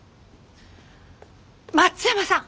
松山さん。